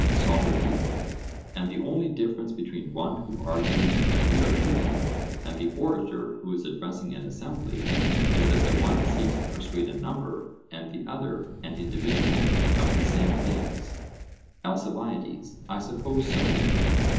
SOCRATES: And the only difference between one who argues as we are doing, and the orator who is addressing an assembly, is that the one seeks to persuade a number, and the other an individual, of the same things. ALCIBIADES: I suppose so.